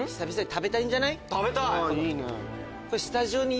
食べたい！